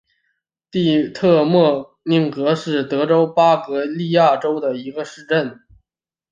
蒂特莫宁格是德国巴伐利亚州的一个市镇。